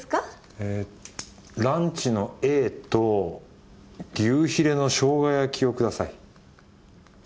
えランチのＡと牛ヒレの生姜焼きをください。